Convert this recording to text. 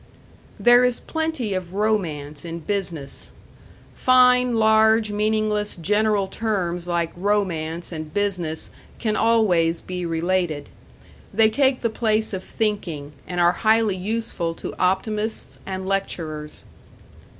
§ 2 There is plenty of romance in business. Fine, large, meaningless, general terms like romance and business can always be related. They take the place of thinking, and are highly useful to optimists and lecturers.